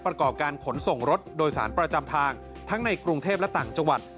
ประกอบการขนส่งรถโดยสารประจำทางทั้งในกรุงเทพและต่างจังหวัด